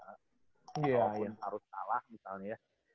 kalau yang harus kalah misalnya